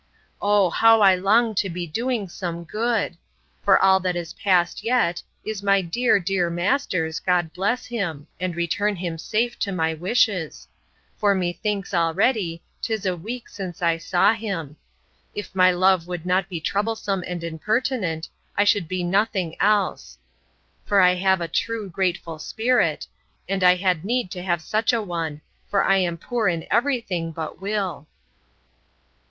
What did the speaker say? —O how I long to be doing some good! For all that is past yet, is my dear, dear master's, God bless him! and return him safe to my wishes! for methinks, already, 'tis a week since I saw him. If my love would not be troublesome and impertinent, I should be nothing else; for I have a true grateful spirit; and I had need to have such a one, for I am poor in every thing but will.